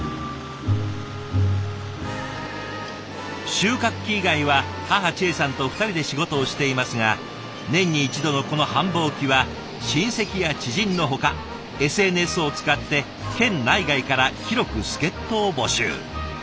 収穫期以外は母ちえさんと二人で仕事をしていますが年に一度のこの繁忙期は親戚や知人のほかＳＮＳを使って県内外から広く助っとを募集。